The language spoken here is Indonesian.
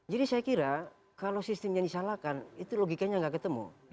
jadi saya kira kalau sistemnya disalahkan itu logikanya nggak ketemu